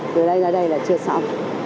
từ đây đến đây là chưa xong